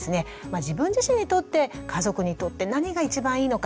自分自身にとって家族にとって何が一番いいのか？